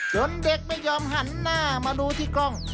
เด็กไม่ยอมหันหน้ามาดูที่กล้อง